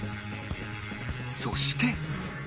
そして